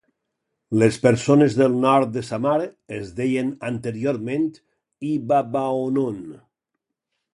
Les persones del nord de Samar es deien anteriorment "Ibabaonon".